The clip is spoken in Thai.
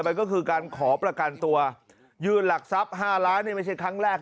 มันก็คือการขอประกันตัวยื่นหลักทรัพย์๕ล้านนี่ไม่ใช่ครั้งแรก